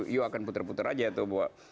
yuk akan puter puter aja tuh